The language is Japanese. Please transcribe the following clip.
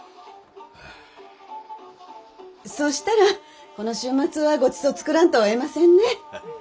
そうしたらこの週末はごちそう作らんとおえませんね。